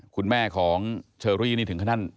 คุณแม่ของเชอรี่นี่ถึงขั้น